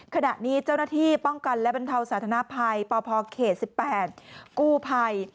ขณะนี้เจ้าหน้าที่ป้องกันและบรรเทาสาธนภัยปพเขต๑๘กู้ภัย